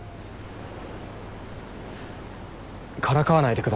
からかわないでください。